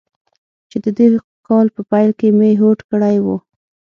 چې د دې کال په پیل کې مې هوډ کړی و.